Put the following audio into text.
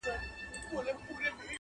چي د پېزوان او د نتکۍ خبره ورانه سوله .